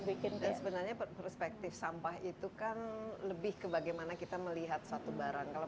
bikin dan sebenarnya perspektif sampah itu kan lebih ke bagaimana kita melihat satu barang kalau